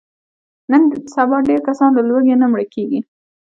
نن سبا ډېری کسان له لوږې نه مړه کېږي.